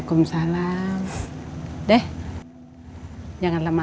diamonds dapet mah choisir aku aja juga